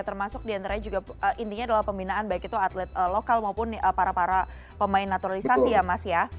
termasuk diantaranya juga intinya adalah pembinaan baik itu atlet lokal maupun para para pemain naturalisasi ya mas ya